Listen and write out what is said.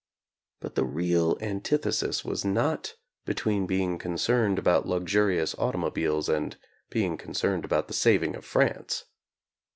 But the real antithesis was not between being concerned about luxurious automobiles and being concerned about the saving of France.